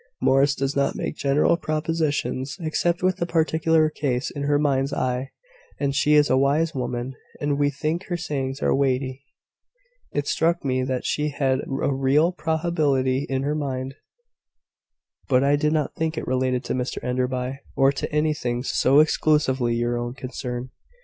Morris does not make general propositions, except with a particular case in her mind's eye; and she is a wise woman; and we think her sayings are weighty." "It struck me that she had a real probability in her mind; but I did not think it related to Mr Enderby, or to anything so exclusively your own concern."